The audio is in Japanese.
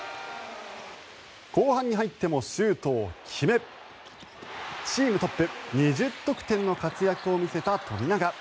後半に入ってもシュートを決めチームトップ、２０得点の活躍を見せた富永。